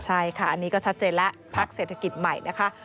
ใช่ค่ะอันนี้ก็ชัดเจนแล้วพักเศรษฐกิจใหม่นะคะ